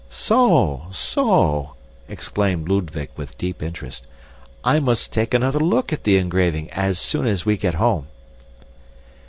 "So! so!" exclaimed Ludwig, with deep interest. "I must take another look at the engraving as soon as we get home."